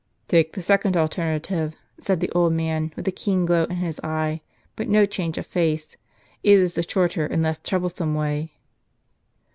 " Take the second alternative," said tlie old man, with a keen glow in his eye, but no change of face ;" it is the shorter, and less troublesome, way."